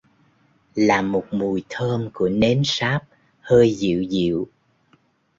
Là một mùi thơm của nến sáp hơi Dịu Dịu